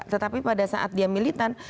tetapi pada saat dia militan